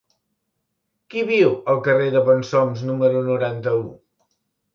Qui viu al carrer de Bonsoms número noranta-u?